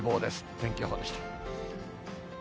天気予報でした。